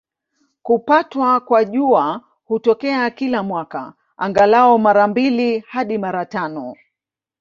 Kupatwa kwa Jua hutokea kila mwaka, angalau mara mbili hadi mara tano.